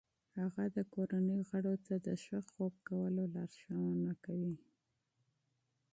هغه د کورنۍ غړو ته د ښه خوب کولو لارښوونه کوي.